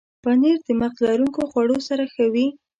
پنېر د مغز لرونکو خوړو سره ښه وي.